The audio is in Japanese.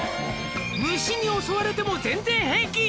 「虫に襲われても全然平気」